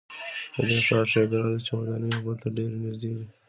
د دې ښار ښېګڼه ده چې ودانۍ یو بل ته ډېرې نږدې دي.